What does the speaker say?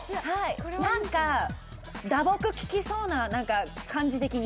何か打撲、効きそうな感じ的に。